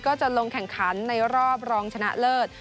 ก็จะลงแข่งขันในรอบรองชนะเลิศ